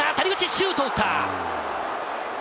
シュートを打った！